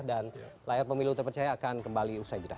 dan layar pemilu terpercaya akan kembali usai jerah